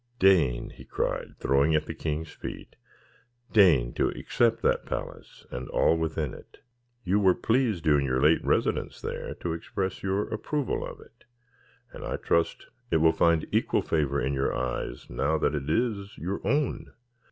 Deign," he cried, throwing at the king's feet, "deign to accept that palace and all within it. You were pleased, during your late residence there, to express your approval of it. And I trust it will find equal favour in your eyes, now that it is your own."